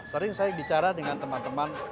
sering saya bicara dengan teman teman